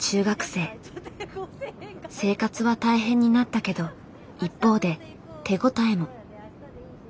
生活は大変になったけど一方で手応えも。